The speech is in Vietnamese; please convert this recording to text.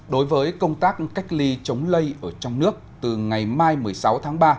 đối với công tác cách ly chống lây ở trong nước từ ngày mai một mươi sáu tháng ba